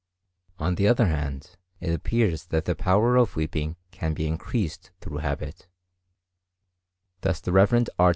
On the other hand, it appears that the power of weeping can be increased through habit; thus the Rev. R.